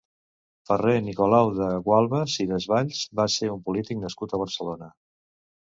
Ferrer Nicolau de Gualbes i Desvalls va ser un polític nascut a Barcelona.